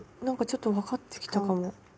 なんかちょっと分かってきたかも。